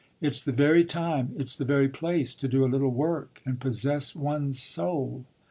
It's the very time, it's the very place, to do a little work and possess one's soul."